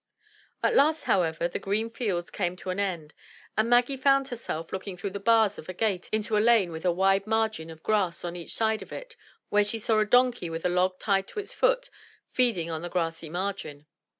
At last, however, the green fields came to an end, and Maggie found herself looking through the bars of a gate into a lane with a wide, margin of grass on each side of it, where she saw a donkey with a log tied to his foot feeding on the grassy margin.